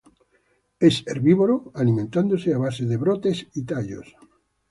Es herbívoro, alimentándose a base de brotes y tallos.